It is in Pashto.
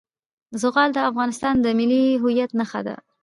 زغال د افغانستان د ملي هویت نښه ده.